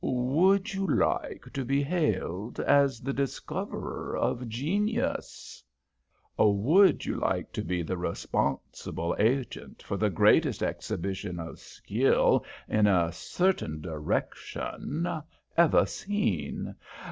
"Would you like to be hailed as the discoverer of genius? Would you like to be the responsible agent for the greatest exhibition of skill in a certain direction ever seen?